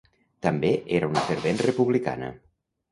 També era una fervent republicana.